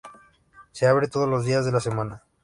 Se abre todos los días de la semana.